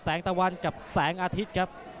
ตะวันกับแสงอาทิตย์ครับ